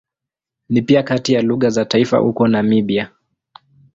Ni pia kati ya lugha za taifa huko Namibia.